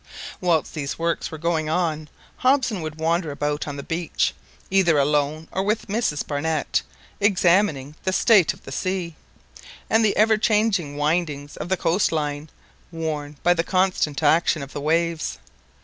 Whilst these works were going on, Hobson would wander about on the beach, either alone or with Mrs Barnett, examining the state of the sea, and the ever changing windings of the coast line, worn by the constant action of the waves.